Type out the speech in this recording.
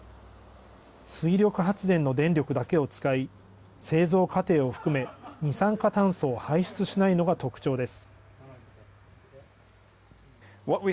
水力発電の電力だけを使い製造過程を含め二酸化炭素を排出しないのが特徴です。